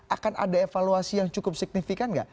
akan ada evaluasi yang cukup signifikan nggak